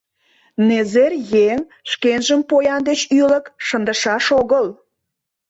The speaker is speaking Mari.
Незер еҥ шкенжым поян деч ӱлык шындышаш огыл.